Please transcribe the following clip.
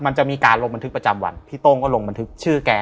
มันจะมีการลงบันทึกประจำวันพี่โต้งก็ลงบันทึกชื่อแก